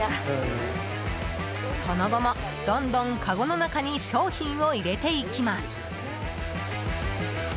その後も、どんどんかごの中に商品を入れていきます。